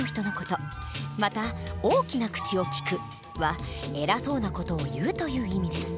また「大きな口をきく」はえらそうな事をいうという意味です。